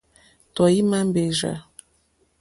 Tɔ̀ímá mbèrzà.